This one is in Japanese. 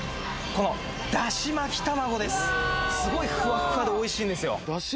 このすごいふわっふわでおいしいんですよ